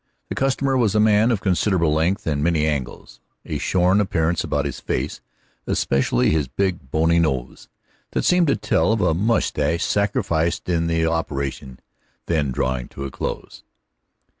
The customer was a man of considerable length and many angles, a shorn appearance about his face, especially his big, bony nose, that seemed to tell of a mustache sacrificed in the operation just then drawing to a close.